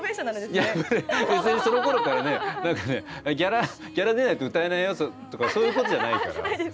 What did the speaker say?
いや別にそのころからねギャラ出ないと歌えないよとかそういうことじゃないから。